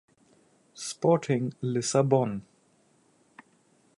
Sporting Lissabon